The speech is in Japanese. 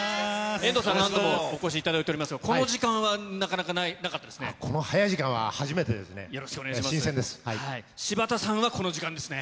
遠藤さん、何度もお越しいただいておりますが、この時間は、なかなかなかったですね。